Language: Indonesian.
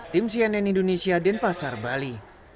tim cnn indonesia dan pasar bali